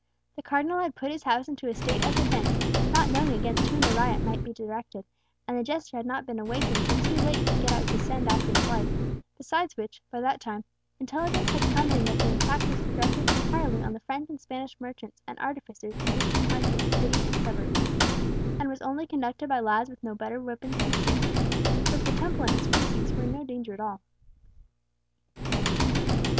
The Cardinal had put his house into a state of defence, not knowing against whom the riot might be directed—and the jester had not been awakened till too late to get out to send after his wife, besides which, by that time, intelligence had come in that the attack was directed entirely on the French and Spanish merchants and artificers in distant parts of the city and suburbs, and was only conducted by lads with no better weapons than sticks, so that the Temple and its precincts were in no danger at all.